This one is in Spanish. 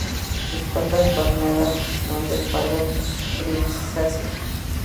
Sus patas palmeadas son de pardo grisáceo.